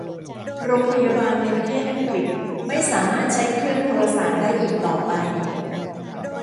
โรงพยาบาลในประเทศอังกฤษไม่สามารถใช้เครื่องโทรสารได้อีกต่อไป